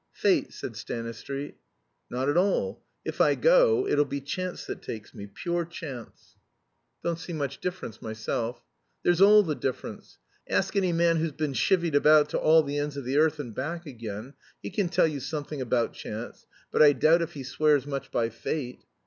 "Fate," said Stanistreet. "Not at all. If I go, it'll be chance that takes me pure chance." "Don't see much difference myself." "There's all the difference. Ask any man who's been chivied about to all the ends of the earth and back again. He can tell you something about, chance, but I doubt if he swears much by fate.